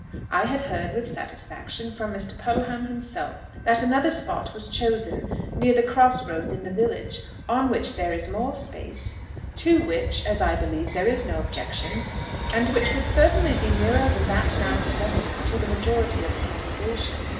I had heard, with satisfaction, from Mr. Puddleham himself that another spot was chosen near the cross roads in the village, on which there is more space, to which as I believe there is no objection, and which would certainly be nearer than that now selected to the majority of the congregation.